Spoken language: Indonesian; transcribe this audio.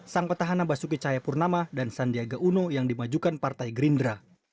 sang petahana basuki cahayapurnama dan sandiaga uno yang dimajukan partai gerindra